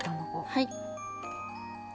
はい。